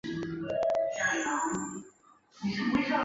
多数生产队现已被拆迁。